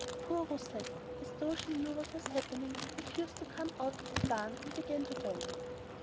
Poor Rousette, as though she knew what was happening, refused to come out of the barn and began to bellow.